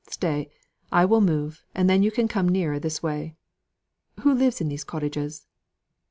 Stay, I will move, and then you can come nearer this way. Who lives in these cottages?"